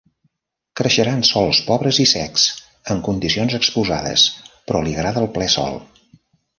Creixerà en sòls pobres i secs en condicions exposades, però li agrada el ple sol.